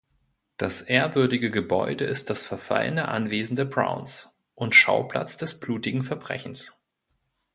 Das ehrwürdige Gebäude ist das verfallende Anwesen der Browns und Schauplatz des blutigen Verbrechens.